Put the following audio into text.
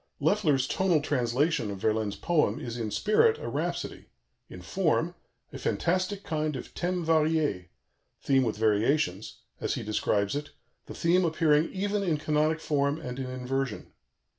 " Loeffler's tonal translation of Verlaine's poem is in spirit a rhapsody, in form "a fantastic kind of thème varié" (theme with variations), as he describes it, "the theme appearing even in canonic form and in inversion."